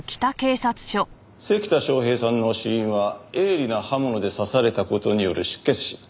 関田昌平さんの死因は鋭利な刃物で刺された事による失血死。